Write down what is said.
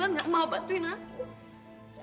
gue gak mau bantuin aku